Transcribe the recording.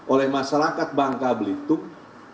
oleh masyarakat bangka belitung